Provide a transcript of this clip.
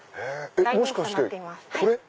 もしかしてこれ？